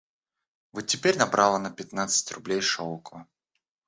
Вот теперь набрала на пятнадцать рублей шелку